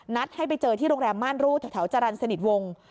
ให้ไปเจอที่โรงแรมม่านรูดแถวจรรย์สนิทวง